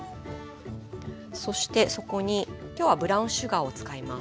そしてそこに今日はブラウンシュガーを使います。